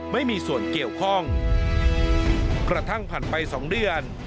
ไม่มีส่วนเกี่ยวข้องกระทั่งผ่านไปสองเดือน